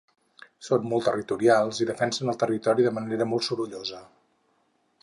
Són molt territorials i defenen el territori de manera molt sorollosa.